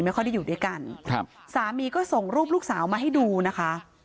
ไม่ค่อยได้อยู่ด้วยกันครับสามีก็ส่งรูปลูกสาวมาให้ดูนะคะ